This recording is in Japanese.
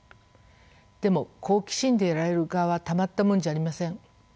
でも好奇心でやられる側はたまったもんじゃありません。